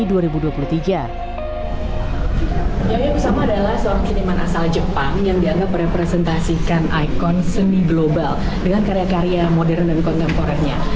yoyo kusama adalah seorang seniman asal jepang yang dianggap merepresentasikan ikon seni global dengan karya karya modern dan kontemporernya